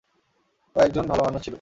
ও একজন ভালো মানুষ ছিলো!